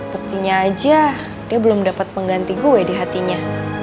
tentunya aja dia belum dapet pengganti gue di hatinya